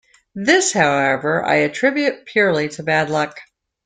This, however, I attribute purely to bad luck.